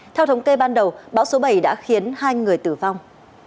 theo thống kê ban đầu bão số bảy đã khiến hai người tử vong